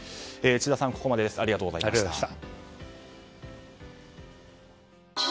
智田さん、ここまでありがとうございました。